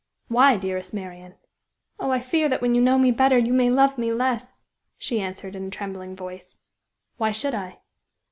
"Why, dearest Marian?" "Oh, I fear that when you know me better you may love me less," she answered, in a trembling voice. "Why should I?"